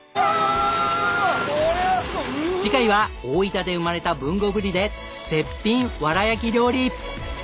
次回は大分で生まれた豊後ぶりで絶品わら焼き料理。